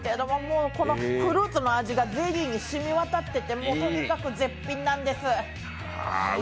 このフルーツの味がゼリーに染み渡ってて、もう、とにかく絶品なんです。